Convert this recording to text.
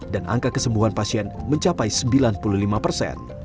dan angka kesembuhan pasien mencapai sembilan puluh lima persen